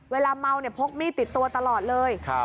เวลาเมาเนี่ยพกมีดติดตัวตลอดเลย